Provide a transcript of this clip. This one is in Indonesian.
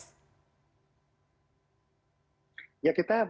apa yang akan terjadi